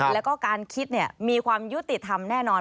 แล้วก็การคิดมีความยุติธรรมแน่นอน